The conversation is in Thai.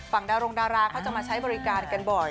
ดารงดาราเขาจะมาใช้บริการกันบ่อย